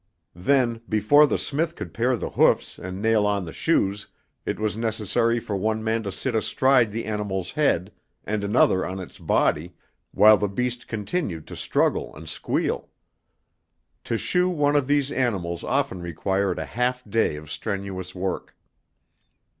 Then, before the smith could pare the hoofs and nail on the shoes, it was necessary for one man to sit astride the animal's head, and another on its body, while the beast continued to struggle and squeal. To shoe one of these animals often required a half day of strenuous work.